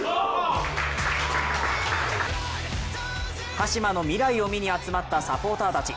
鹿島の未来を見に集まったサポーターたち。